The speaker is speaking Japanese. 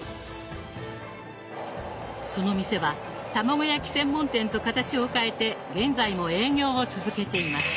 その店は卵焼き専門店と形を変えて現在も営業を続けています。